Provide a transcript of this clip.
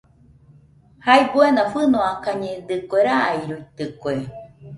Jae buena fɨnoakañedɨkue, rairuitɨkue.